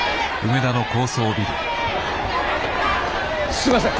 すいません！